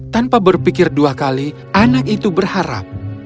tanpa berpikir dua kali anak itu berharap